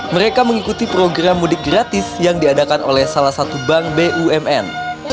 mereka mengikuti program mudik gratis yang diadakan oleh salah satu bank bumn